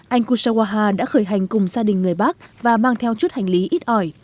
anh kushawaha đã khởi hành cùng gia đình người bác và mang theo chút hành lý ít ỏi